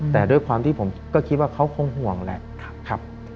แต่ด้วยความที่ผมก็คิดว่าเขาคงห่วงแหละครับ